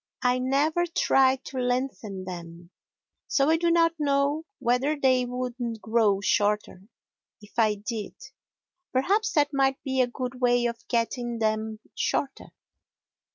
I never try to lengthen them, so I do not know whether they would grow shorter if I did. Perhaps that might be a good way of getting them shorter.